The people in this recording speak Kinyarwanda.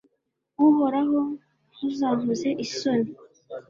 uhoraho, ntuzankoze isoni